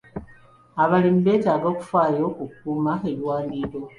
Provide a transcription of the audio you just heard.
Abalimi beetaaga okufaayo ku kukuuma ebiwandiiko.